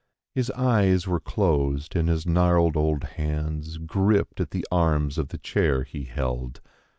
His eyes were closed and his gnarled old hands gripped at the arms of the chair he held.